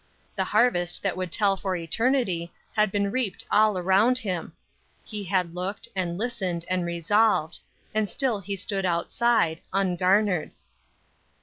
The harvest that would tell for eternity had been reaped all around him. He had looked, and listened, and resolved; and still he stood outside, ungarnered.